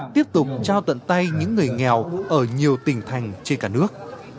tiếp tục trao tận tay những người nghèo ở nhiều tỉnh thành trên cả nước